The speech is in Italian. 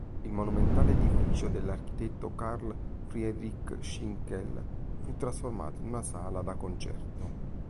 Il monumentale edificio dell'architetto Karl Friedrich Schinkel fu trasformato in una sala da concerto.